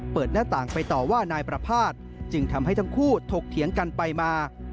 หน้าต่างไปต่อว่านายประภาษณ์จึงทำให้ทั้งคู่ถกเถียงกันไปมา